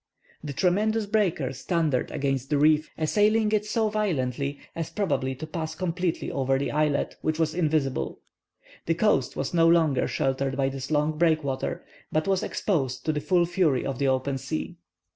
The tremendous breakers thundered against the reef, assailing it so violently as probably to pass completely over the islet, which was invisible. The coast was no longer sheltered by this long breakwater, but was exposed to the full fury of the open sea.